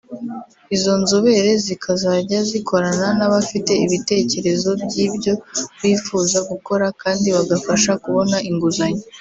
Izo nzobere zikazajya zikorana n’abafite ibitekerezo by’ibyo bifuza gukora kandi bagafasha kubona inguzanyo